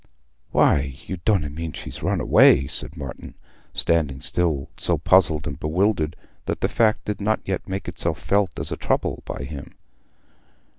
"Why, you donna mean she's run away?" said Martin, standing still, so puzzled and bewildered that the fact did not yet make itself felt as a trouble by him.